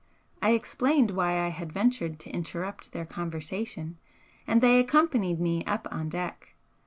I explained why I had ventured to interrupt their conversation, and they accompanied me up on deck.